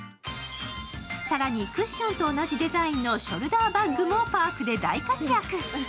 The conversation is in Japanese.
更にクッションと同じデザインのショルダーバッグもパークで大活躍。